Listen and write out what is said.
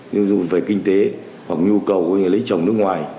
như về kinh tế hoặc nhu cầu của người lấy chồng nước ngoài